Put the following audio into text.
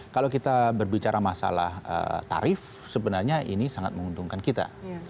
kalau kita berbicara masalah tarif sebenarnya ini sangat menguntungkan kita